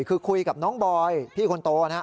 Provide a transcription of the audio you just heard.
คือคุยกับน้องบอยพี่คนโตนะฮะ